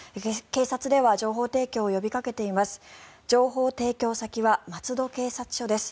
警察では情報提供を呼びかけています。